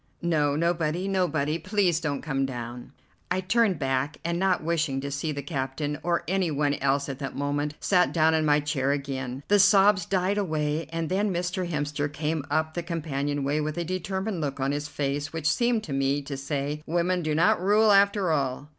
"No, nobody, nobody. Please don't come down." I turned back, and not wishing to see the captain or any one else at that moment, sat down in my chair again. The sobs died away, and then Mr. Hemster came up the companion way with a determined look on his face which seemed to me to say, "Women do not rule after all."